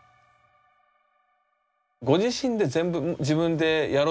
ご自身で全部自分でやろうとされるでしょ？